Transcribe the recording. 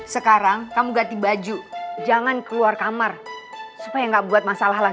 sekarang kamu ganti baju jangan keluar kamar supaya nggak buat masalah lah